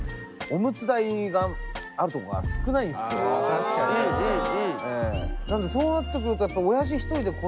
確かに確かに。